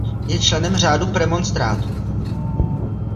Je členem řádu premonstrátů.